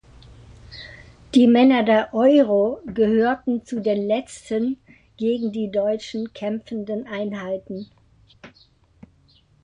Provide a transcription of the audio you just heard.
Die Männer der "Euro" gehörten zu den letzten gegen die Deutschen kämpfenden Einheiten.